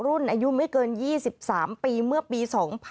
รุ่นอายุไม่เกิน๒๓ปีเมื่อปี๒๕๕๘